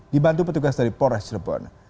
dibantu petugas dari polres cirebon